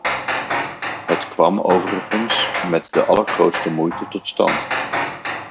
Het kwam overigens met de allergrootste moeite tot stand.